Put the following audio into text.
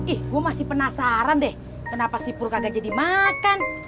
ih gue masih penasaran deh kenapa si pur kagak jadi makan